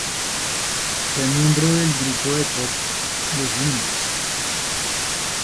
Fue miembro del grupo de pop Los Lunes.